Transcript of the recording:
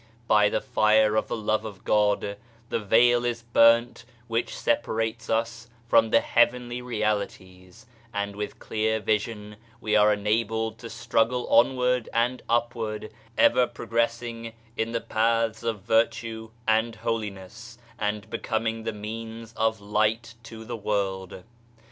By the fire of the Love of God the veil is burnt which separates us" from the Heavenly Realities, and with clear vision we are enabled to struggle onward and upward, ever progressing in the paths of virtue and holiness, and becoming the means of light to the world.